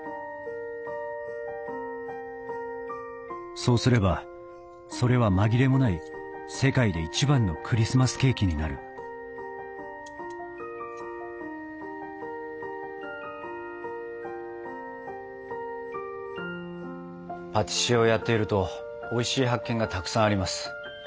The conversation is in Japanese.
そうすればそれは紛れもない世界で一番のクリスマスケーキになるパティシエをやっているとおいしい発見がたくさんあります。